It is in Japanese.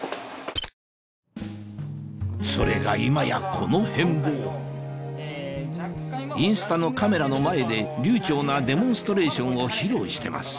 それが今やこの変貌インスタのカメラの前で流ちょうなデモンストレーションを披露してます